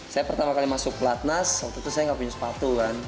saya pertama kali masuk pelatnas waktu itu saya nggak punya sepatu kan